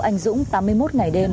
anh dũng tám mươi một ngày đêm